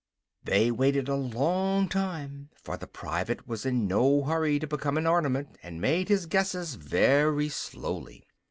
They waited a long time, for the private was in no hurry to become an ornament and made his guesses very slowly.